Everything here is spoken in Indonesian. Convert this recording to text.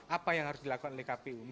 apa yang harus dilakukan oleh kpu